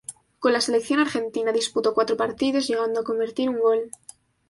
Con la Selección Argentina disputó cuatro partidos, llegando a convertir un gol.